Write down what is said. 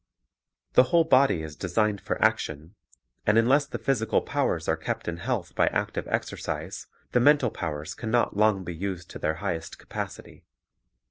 The whole body is designed for action; and unless the physical powers are kept in health by active exer cise, the mental powers can not long be used to their highest capacity.